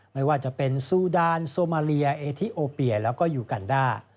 ไม่ว่าจะเป็นซูดานโซมาเลียเอทิโอเปียแล้วก็ยูกันด้า